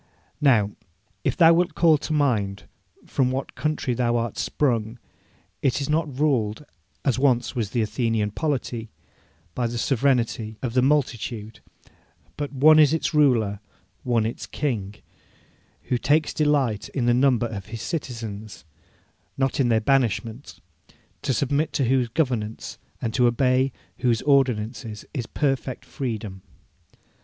Now, if thou wilt call to mind from what country thou art sprung, it is not ruled, as once was the Athenian polity, by the sovereignty of the multitude, but "one is its Ruler, one its King," who takes delight in the number of His citizens, not in their banishment; to submit to whose governance and to obey whose ordinances is perfect freedom.